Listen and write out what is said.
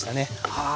はあ！